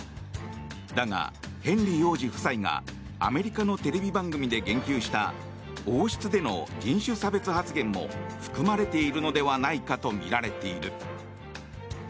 だが、ヘンリー王子夫妻がアメリカのテレビ番組で言及した王室での人種差別発言も含まれているのではないかとみられている。